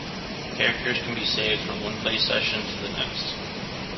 Characters can be saved from one play session to the next.